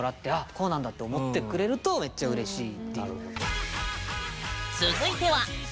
こうなんだって思ってくれるとめっちゃうれしいっていう。